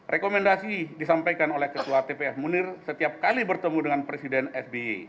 rekomendasi disampaikan oleh ketua tpf munir setiap kali bertemu dengan presiden sby